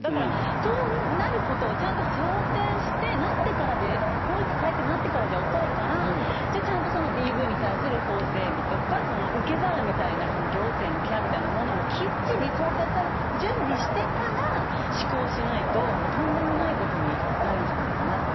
そうなることを想定してなってから法律変えてなってからじゃ遅いからＤＶに対する法整備とか受け皿みたいな行政のケアみたいなものもきっちり準備をしてから施行しないととんでもないことになるんじゃないかなと。